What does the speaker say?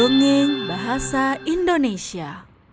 dongeng bahasa indonesia